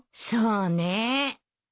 そうね。